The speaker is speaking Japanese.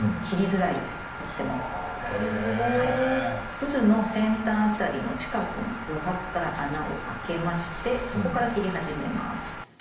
うずの先端辺りの近くの余白から穴をあけましてそこから切り始めます。